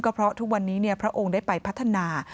เพราะทุกวันนี้พระองค์ได้ไปพัฒนา